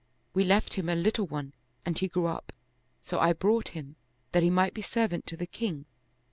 We left him a little one and he grew up ; so I brought him, that he might be servant to the king."